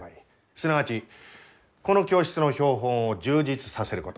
すなわちこの教室の標本を充実させること。